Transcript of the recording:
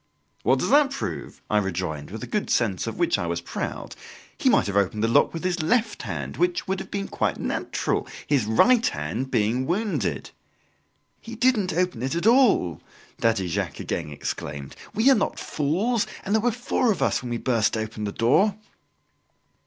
"What does that prove?" I rejoined with a good sense of which I was proud; "he might have opened the lock with his left hand, which would have been quite natural, his right hand being wounded." "He didn't open it at all!" Daddy Jacques again exclaimed. "We are not fools; and there were four of us when we burst open the door!"